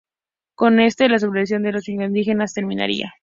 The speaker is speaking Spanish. Con este, la sublevación de los indígenas terminaría.